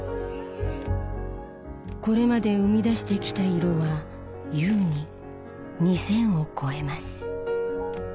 これまで生み出してきた色は優に２，０００を超えます。